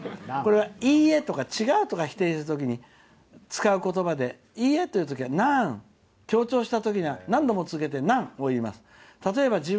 これは、いいえとか違うとか否定するときに使う言葉でいいえというときは「なん」強調するときは何度も「なん！なん！」って言います。